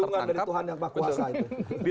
lagi dapat lindungan dari tuhan yang maha kuasa itu